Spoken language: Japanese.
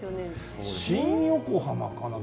新横浜かな？